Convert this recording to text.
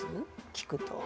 聞くと。